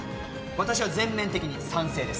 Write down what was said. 私は全面的に賛成です